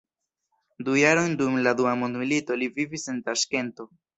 Du jarojn dum la Dua mondmilito li vivis en Taŝkento.